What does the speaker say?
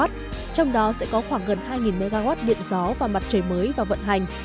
trong đó sẽ có khoảng gần hai mw điện gió và mặt trời mới vào vận hành